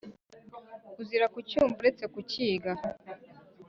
Uzira kucyumva uretse kucyiga,